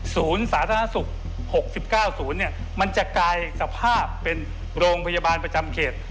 สาธารณสุข๖๙๐มันจะกลายสภาพเป็นโรงพยาบาลประจำเขต